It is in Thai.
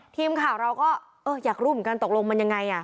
ทีมข่าวเราก็อยากรู้เหมือนกันตกลงมันยังไง